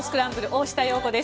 大下容子です。